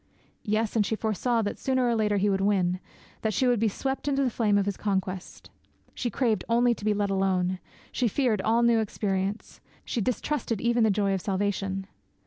Yes, and she foresaw that sooner or later he would win; that she would be swept into the flame of his conquest. She craved only to be let alone; she feared all new experience; she distrusted even the joy of salvation.